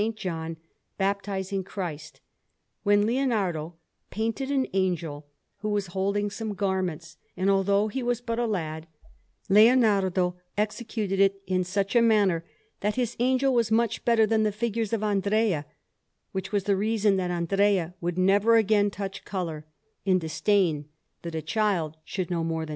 John baptizing Christ, when Leonardo painted an angel who was holding some garments; and although he was but a lad, Leonardo executed it in such a manner that his angel was much better than the figures of Andrea; which was the reason that Andrea would never again touch colour, in disdain that a child should know more than he.